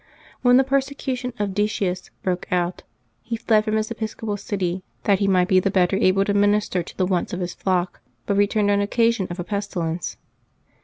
When the persecution of Decius broke out, he fled from his episcopal city, that he might be the better able to minister to the wants of his flock, but returned on occasion of a pestilence.